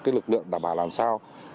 cái lực lượng đảm bảo làm sao